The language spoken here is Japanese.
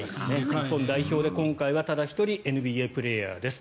日本代表で今回はただ１人ＮＢＡプレーヤーです。